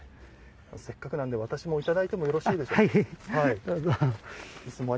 せっかくなので私もいただいてもよろしいでしょうか。